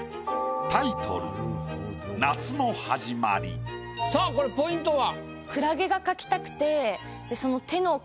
タイトルさあこれポイントは？